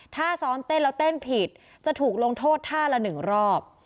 ถ้าซ้อมเต้นแล้วเต้นผิดจะถูกลงโทษท่าละ๑รอบ